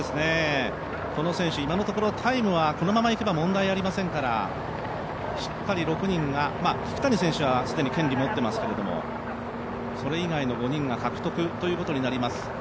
この選手、今のところタイムはこのままいけば問題ありませんからしっかり６人が、聞谷選手は既に権利持っていますけどそれ以外の５人が獲得ということになります。